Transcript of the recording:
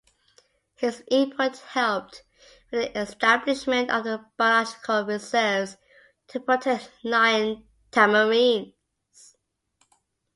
His input helped with the establishment of the biological reserves to protect lion tamarins.